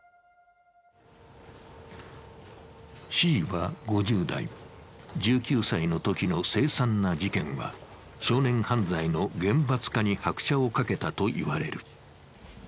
Ｃは５０代、１９歳のときの凄惨な事件は少年犯罪の厳罰化に拍車をかけたといわれる。